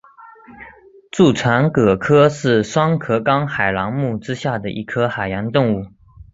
蛀船蛤科是双壳纲海螂目之下的一科海洋动物。